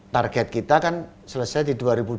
target kita kan selesai di